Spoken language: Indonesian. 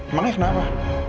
emang ya kenapa